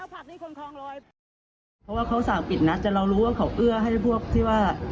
เพราะว่าเขาสั่งปิดนัดแต่เรารู้ว่าเขาเอื้อให้พวกที่ว่า